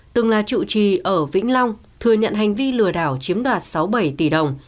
từng là trụ trì ở vĩnh long thừa nhận hành vi lừa đảo chiếm đoạt sáu bảy tỷ đồng